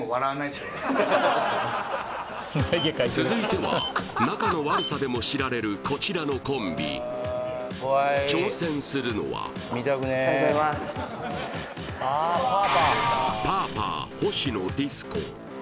続いては仲の悪さでも知られるこちらのコンビ挑戦するのはおはようございますああ